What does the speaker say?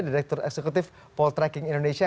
direktur eksekutif poltreking indonesia